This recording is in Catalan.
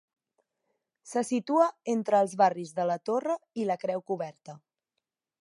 Se situa entre els barris de la Torre i la Creu Coberta.